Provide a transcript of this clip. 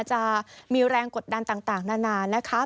จะมีแรงกดดันต่างนานานะคะ